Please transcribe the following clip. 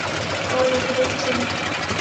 কারণ, ওকে দেখেছি আমি!